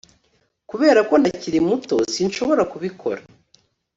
Kubera ko ntakiri muto sinshobora kubikora